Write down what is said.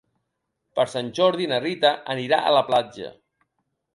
Per Sant Jordi na Rita anirà a la platja.